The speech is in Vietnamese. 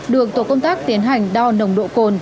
được tổ công tác tiến hành đo nồng độc